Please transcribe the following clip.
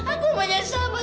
aku menyesal ma